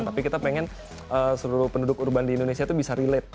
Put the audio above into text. tapi kita pengen seluruh penduduk urban di indonesia itu bisa relate